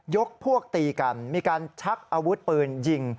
พวกตีกันมีการชักอาวุธปืนยิง